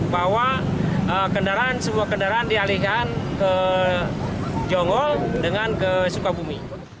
bahwa semua kendaraan dialihkan ke jongo dengan ke sukabumi